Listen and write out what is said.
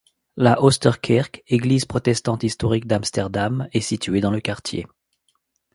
La Oosterkerk, église protestante historique d'Amsterdam, est située dans le quartier.